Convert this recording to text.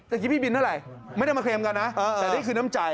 เมื่อกี้พี่บินเท่าไหร่ไม่ได้มาเคลมกันนะแต่นี่คือน้ำใจ